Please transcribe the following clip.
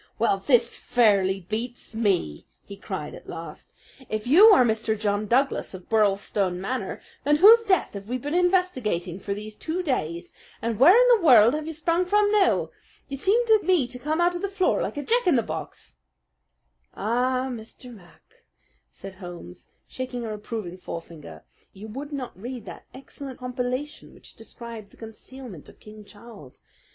"Well, this fairly beats me!" he cried at last. "If you are Mr. John Douglas of Birlstone Manor, then whose death have we been investigating for these two days, and where in the world have you sprung from now? You seemed to me to come out of the floor like a jack in a box." "Ah, Mr. Mac," said Holmes, shaking a reproving forefinger, "you would not read that excellent local compilation which described the concealment of King Charles.